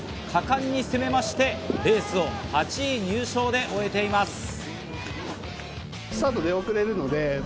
果敢に攻めて、レースを８位入賞で終えています。